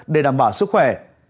để đảm bảo sức khỏe